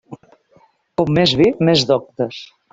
Com més vi més doctes.